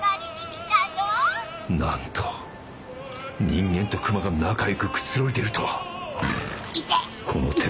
なんと人間とクマが仲良くくつろいでるとはガオ！